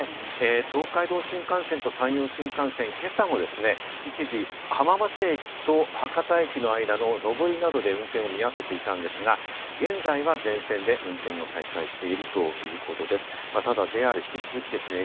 東海道新幹線と山陽新幹線、今朝も一時、浜松駅と博多駅の間ののぼりなどで運転を見合わせていたんですが、現在は全線で運転を再開しているということです。